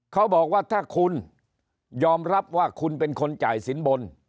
เขาบอกว่าถ้าคุณยอมรับว่าคุณเป็นคนจ่ายสินบน